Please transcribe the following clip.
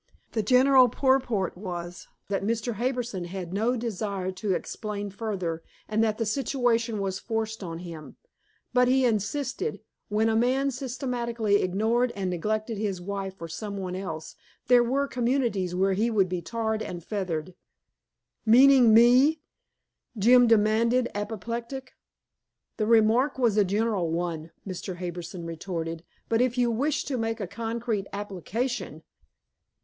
The general purport was that Mr. Harbison had no desire to explain further, and that the situation was forced on him. But if he insisted when a man systematically ignored and neglected his wife for some one else, there were communities where he would be tarred and feathered. "Meaning me?" Jim demanded, apoplectic. "The remark was a general one," Mr. Harbison retorted, "but if you wish to make a concrete application